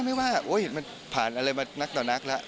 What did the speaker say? ไม่ว่ามันผ่านอะไรมานักต่อนักละ